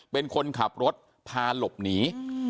เป็นคนขับรถพาหลบหนี